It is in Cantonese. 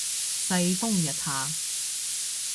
世風日下